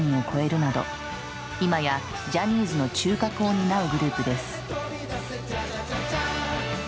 今やジャニーズの中核を担うグループです。